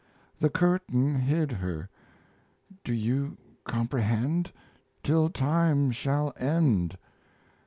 ... The curtain hid her.... Do you comprehend? Till time shall end!